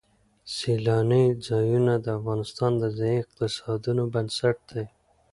سیلانی ځایونه د افغانستان د ځایي اقتصادونو بنسټ دی.